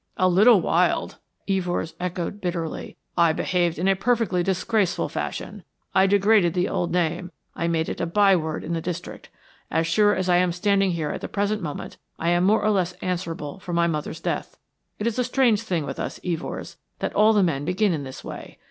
"A little wild!" Evors echoed bitterly. "I behaved in a perfectly disgraceful fashion. I degraded the old name, I made it a byword in the district. As sure as I am standing here at the present moment, I am more or less answerable for my mother's death. It is a strange thing with us Evors that all the men begin in this way.